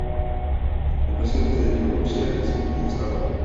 El presidente de Bielorrusia es el jefe de Estado.